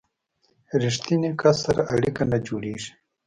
ریښتیني کس سره اړیکه نه جوړیږي.